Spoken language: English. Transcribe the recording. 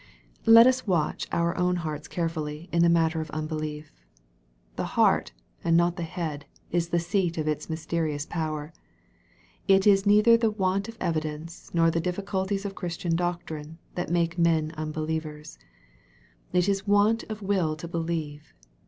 Let us watch our own hearts carefully in the matter of unbelief. The heart, and not the head, is the seat oi its mysterious power. It is neither the want of evidence, nor the difficulties of Christian doctrine, that make men unbelievers. It is want of will to believe.